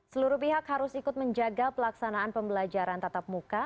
seluruh pihak harus ikut menjaga pelaksanaan pembelajaran tatap muka